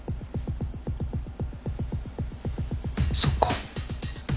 そっか。